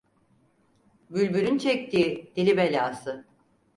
Bülbülün çektiği dili belası.